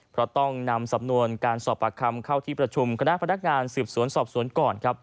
เพราะต้องนำสำนวนการสอบปากคำเข้าที่ประชุมคณะพนักงานสืบสวนสอบสวนก่อนครับ